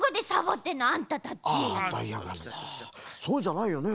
そうじゃないよね。